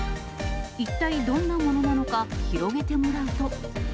一体どんなものなのか、広げてもらうと。